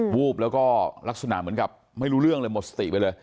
วูบแล้วก็ลักษณะเหมือนกับไม่รู้เรื่องเลยหมดสติไปเลย